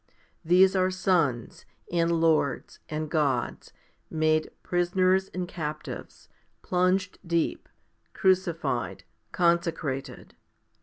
These are sons, and lords, and gods, made prisoners and captives, 1 plunged deep, crucified, conse crated.